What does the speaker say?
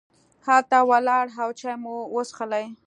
هلته ولاړو او چای مو وڅښلې.